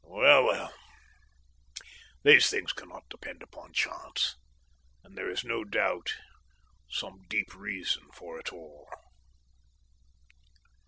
"Well, well, these things cannot depend upon chance, and there is no doubt some deep reason for it all.